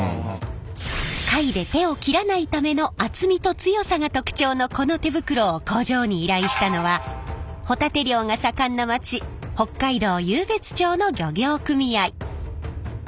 貝で手を切らないための厚みと強さが特徴のこの手袋を工場に依頼したのはホタテ漁が盛んな街北海道湧別町の漁業組合。